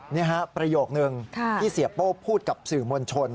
นี่ฮะประโยคนึงที่เสียโป้พูดกับสื่อมวลชน